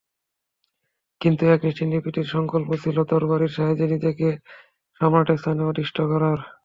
কিন্তু, এক নিষ্ঠুর নৃপতির সংকল্প ছিল তরবারির সাহায্যে নিজেকে সম্রাটের স্থানে অধিষ্ঠিত করার!